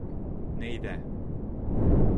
Нейҙә.